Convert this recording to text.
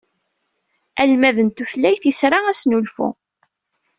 Almad n tutlayt isra asnulfu.